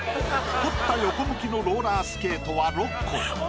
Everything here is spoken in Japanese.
彫った横向きのローラースケートは６個。